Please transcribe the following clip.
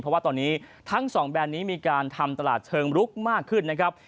เพราะว่าตอนนี้ทั้งสองแบรนด์นี้มีการทำตลาดเชิงลุกมากขึ้นนะครับ